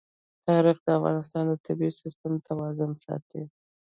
تاریخ د افغانستان د طبعي سیسټم توازن ساتي.